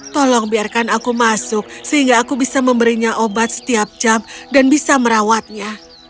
tolong biarkan aku masuk sehingga aku bisa memberinya obat setiap jam dan bisa merawatnya